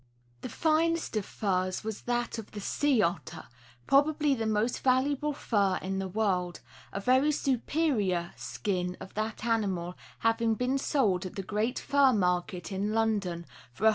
The finest of the furs was that of the sea otter, probably the most valuable fur in the world, a very superior skin of that animal having been sold at the great fur market in London for £170.